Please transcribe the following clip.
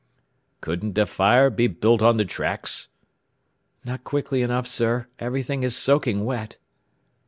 "Couldn't a fire be built on the tracks?" "Not quickly enough, sir. Everything is soaking wet."